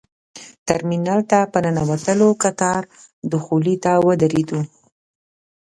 ترمینل ته په ننوتلو کتار دخولي ته ودرېدو.